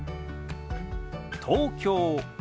「東京」。